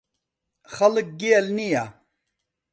خەڵک گێل نییە.